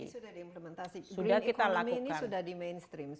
sudah diimplementasi green economy ini sudah di mainstream